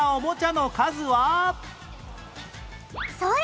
それ！